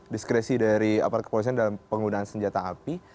diskresi dari aparat kepolisian dalam penggunaan senjata api